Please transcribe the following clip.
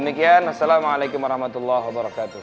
demikian assalamualaikum warahmatullahi wabarakatuh